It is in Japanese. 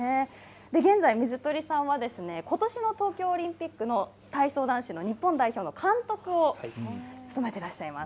現在、水鳥さんはことしの東京オリンピックの体操男子の日本代表の監督を務めていらっしゃいます。